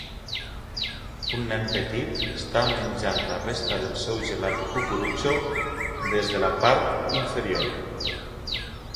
Un nen petit està menjant la resta del seu gelat de cucurutxo des de la part inferior.